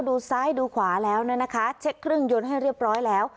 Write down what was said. ดูซ้ายดูขวาแล้วนะคะเช็คเครื่องยนต์ให้เรียบร้อยแล้ว